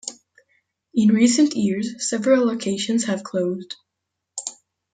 In recent years several locations have closed.